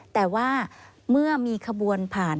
แต่ว่าเมื่อมีขบวนผ่าน